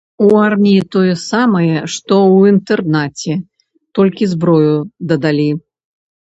У арміі тое самае, што ў інтэрнаце, толькі зброю дадалі.